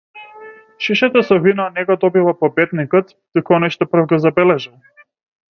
Шишето со вино не го добива победникот, туку оној што прв го забележал.